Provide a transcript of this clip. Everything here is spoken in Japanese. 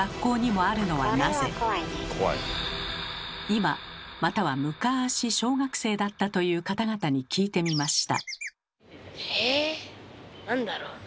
今またはむかし小学生だったという方々に聞いてみました。